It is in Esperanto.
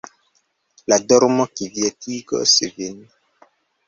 La dormo kvietigos vin.